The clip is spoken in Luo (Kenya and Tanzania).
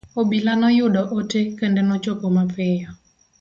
Obila noyudo ote kendo nochopo mapiyo.